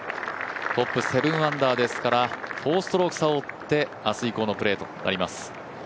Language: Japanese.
トップ７アンダーですから４ストローク差を追って明日以降のプレーとなります。